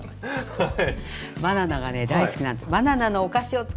はい。